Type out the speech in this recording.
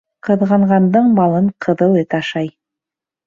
Ҡыҙғанғандың малын ҡыҙыл эт ашай.